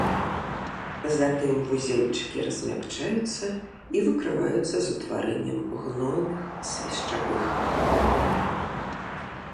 Затым вузельчыкі размякчаюцца і выкрываюцца з утварэннем гнойных свішчавых хадоў.